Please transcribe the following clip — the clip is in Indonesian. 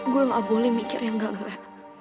gue gak boleh mikir yang gak nggak